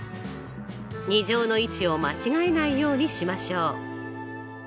２乗の位置を間違えないようにしましょう。